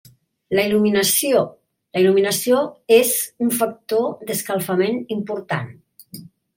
ः La il·luminació: la il·luminació és un factor d'escalfament important.